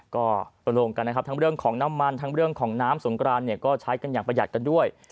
ก็ไปลงกันนะครับทั้งเรื่องของน้ำมันทั้งเรื่องของน้ำสงกรานเนี่ยก็ใช้กันอย่างประหยัดกันด้วย